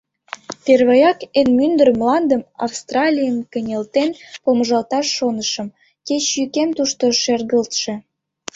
Первояк, эн мӱндыр мландым — Австралийым кынелтен помыжалташ шонышым, кеч йӱкем тушто шергылтше.